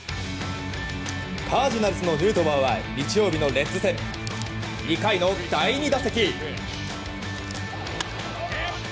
カージナルスのヌートバーは日曜日のレッズ戦２回の第２打席。